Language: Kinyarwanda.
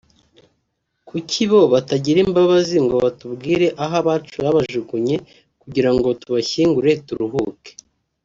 kuki bo batagira imbabazi ngo batubwire aho abacu babajugunye kugira ngo tubashyingure turuhuke